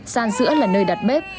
sàn giữa là nơi đặt bếp